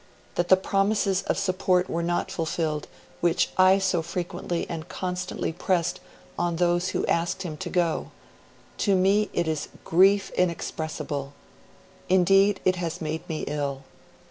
That the promises of support were not fulfilled which I so frequently and constantly pressed on those who asked him to go is to me GRIEF INEXPRESSIBLE! Indeed, it has made me ill